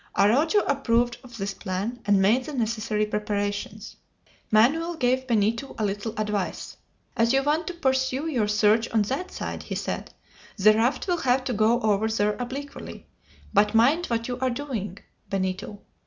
Araujo approved of this plan, and made the necessary preparations. Manoel gave Benito a little advice. "As you want to pursue your search on that side," he said, "the raft will have to go over there obliquely; but mind what you are doing, Benito.